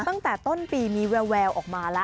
ตั้งแต่ต้นปีมีแววออกมาแล้ว